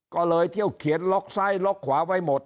ก็เลยเที่ยวเขียนล็อกซ้ายล็อกขวาไว้หมด